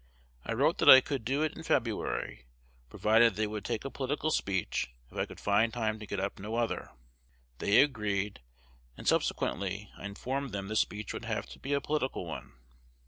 I wrote that I could do it in February, provided they would take a political speech if I could find time to get up no other. They agreed; and subsequently I informed them the speech would have to be a political one.